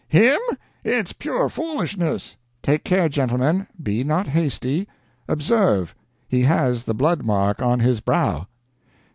Him? It's pure foolishness!" "Take care, gentlemen be not hasty. Observe he has the blood mark on his brow."